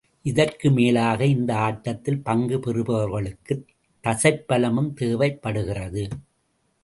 இதற்கும் மேலாக, இந்த ஆட்டத்தில் பங்கு பெறுபவர்களுக்குத் தசைப்பலமும் தேவைப்படுகிறது.